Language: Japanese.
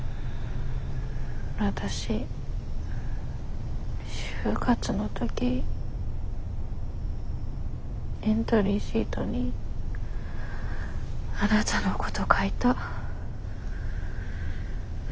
わたし就活の時エントリーシートにあなたのこと書いた。